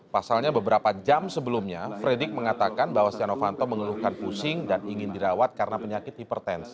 pasalnya beberapa jam sebelumnya fredrik mengatakan bahwa setia novanto mengeluhkan pusing dan ingin dirawat karena penyakit hipertensi